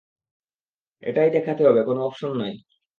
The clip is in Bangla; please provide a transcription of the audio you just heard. এটাই দেখাতে হবে, কোনো অপশন নাই।